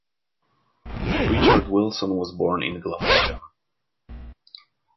Richard Wilson was born in Glamorgan.